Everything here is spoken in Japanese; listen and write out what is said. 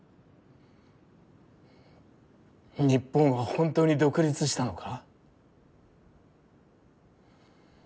日本は本当に独立したのか？